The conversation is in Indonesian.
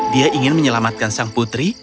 dia ingin menyelamatkan sang putri